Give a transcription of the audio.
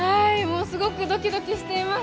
すごくどきどきしています。